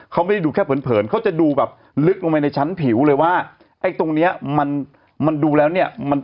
เขาไม่ได้ดูแค่เผินเขาจะดูแบบลึกลงไปในชั้นผิวเลยว่าไอ้ตรงเนี้ยมันมันดูแล้วเนี่ย